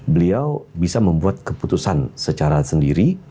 beliau bisa membuat keputusan secara sendiri